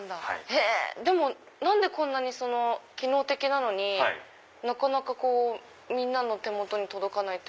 でも何でこんなに機能的なのになかなかみんなの手元に届かないというか。